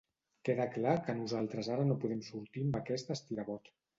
Queda clar que nosaltres ara no podem sortir amb aquest estirabot.